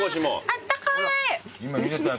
あったかい。